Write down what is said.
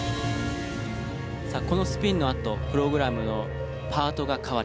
さあこのスピンのあとプログラムのパートが変わります。